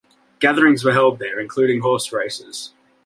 Gatherings were held there, including horse races.